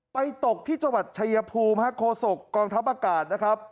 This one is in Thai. ไปตกที่สวัสดิ์ชายภูมิโคศกกองทัพอากาศนะครับ